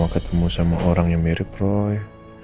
ketemu sama orang yang mirip roy